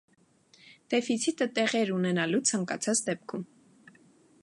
Դեֆիցիտը տեղի էր ունենալու ցանկացած դեպքում։